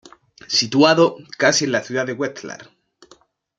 Situado casi en la ciudad de Wetzlar.